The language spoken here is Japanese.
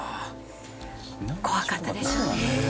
怖かったでしょうね。